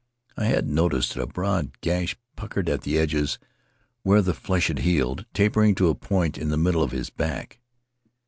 I had noticed it, a broad gash puckered at the edges where the flesh had healed, tapering to a point in the middle of his back.